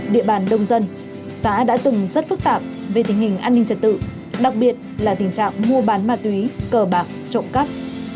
địa bàn đông dân xã đã từng rất phức tạp về tình hình an ninh trật tự đặc biệt là tình trạng mua bán ma túy cờ bạc trộm cắp